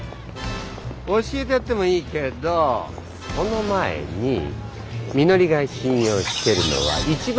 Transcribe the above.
教えてやってもいいけどその前にみのりが信用してるのは。